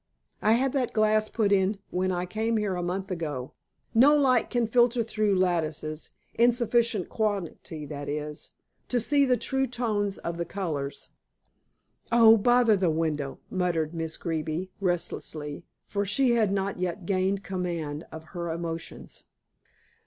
"I had that glass put in when I came here a month ago. No light can filter through lattices in sufficient quantity that is to see the true tones of the colors." "Oh, bother the window!" muttered Miss Greeby restlessly, for she had not yet gained command of her emotions.